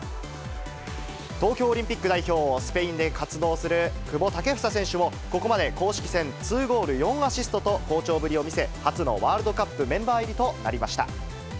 東京オリンピック代表、スペインで活動する久保建英選手も、ここまで公式戦２ゴール４アシストと、好調ぶりを見せ、初のワールドカップメンバー入りとなりました。